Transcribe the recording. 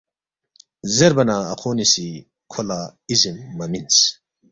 زیربا نہ اخونی سی کھو لہ ازن مہ مِنس،